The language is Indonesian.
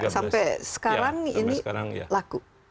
sampai sekarang ini laku